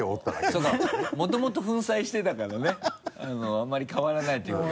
そうかもともと粉砕してたからねあんまり変わらないっていう。